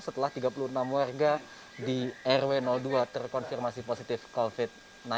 setelah tiga puluh enam warga di rw dua terkonfirmasi positif covid sembilan belas